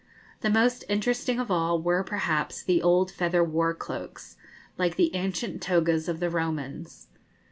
The most interesting of all were, perhaps, the old feather war cloaks, like the ancient togas of the Romans.